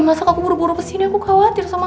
masa aku buru buru kesini aku khawatir sama